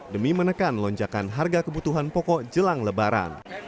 demi menekan lonjakan harga kebutuhan pokok jelang lebaran